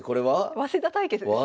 早稲田対決ですね。